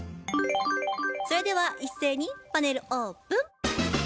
それでは一斉にパネルオープン。